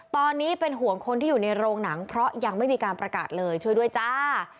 ตอนนี้เป็นห่วงคนที่อยู่ในโรงหนังเพราะยังไม่มีการประกาศเลยช่วยด้วยจ้า